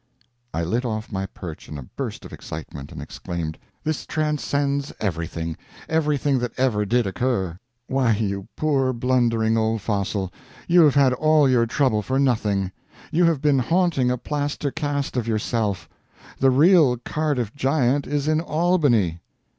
I lit off my perch in a burst of excitement, and exclaimed: "This transcends everything! everything that ever did occur! Why you poor blundering old fossil, you have had all your trouble for nothing you have been haunting a plaster cast of yourself the real Cardiff Giant is in Albany!